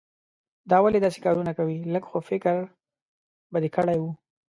دا ولې داسې کارونه کوې؟ لږ خو فکر به دې کړای وو.